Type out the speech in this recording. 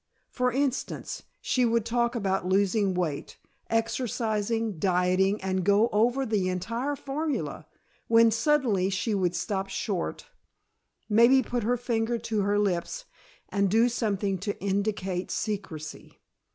For instance, she would talk about losing weight, exercising, dieting and go over the entire formula, when suddenly she would stop short, maybe put her finger to her lips and do something to indicate secrecy.